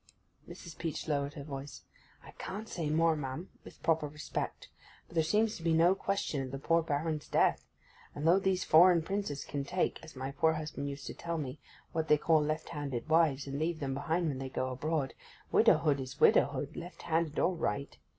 Mrs. Peach lowered her voice. 'I can't say more, ma'am, with proper respect. But there seems to be no question of the poor Baron's death; and though these foreign princes can take (as my poor husband used to tell me) what they call left handed wives, and leave them behind when they go abroad, widowhood is widowhood, left handed or right.